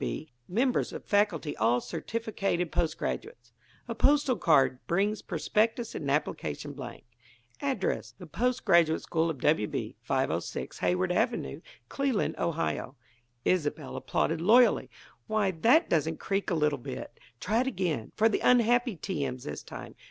W. B. Members of Faculty all certificated Post Graduates. A postal card brings Prospectus and application blank. Address: The Post Graduate School of W. B., 506 Hayward Avenue, Cleland, Ohio. Isobel applauded loyally. "Why, that doesn't creak a little bit! Try it again; for the unhappy T. M.'s, this time.